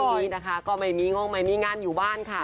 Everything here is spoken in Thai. วันนี้นะคะก็ไม่มีงงไม่มีงานอยู่บ้านค่ะ